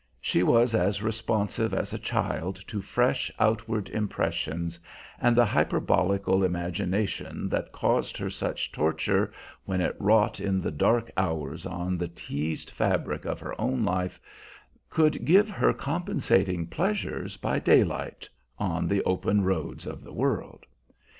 She was as responsive as a child to fresh outward impressions, and the hyperbolical imagination that caused her such torture when it wrought in the dark hours on the teased fabric of her own life, could give her compensating pleasures by daylight, on the open roads of the world.